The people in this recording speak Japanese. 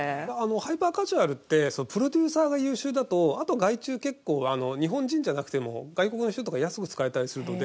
ハイパーカジュアルってプロデューサーが優秀だとあとは外注結構日本人じゃなくても外国の人とか安く使えたりするので。